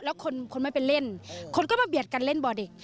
แล้วคนคนไม่ไปเล่นคนก็มาเบียดกันเล่นบอลเด็ก